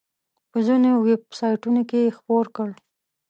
په ځینو ویب سایټونو کې یې خپور کړ.